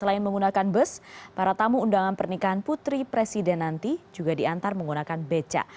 selain menggunakan bus para tamu undangan pernikahan putri presiden nanti juga diantar menggunakan beca